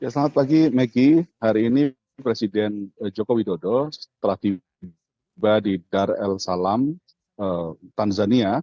selamat pagi maggie hari ini presiden joko widodo setelah tiba di dar el salam tanzania